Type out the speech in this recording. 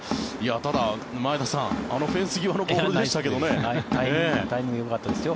ただ、前田さんあのフェンス際のボールでしたけどね。